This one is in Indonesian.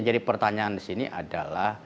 jadi pertanyaan di sini adalah